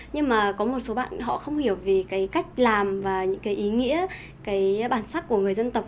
nhưng mà có một số bạn họ không hiểu về cái cách làm và những cái ý nghĩa cái bản sắc của người dân tộc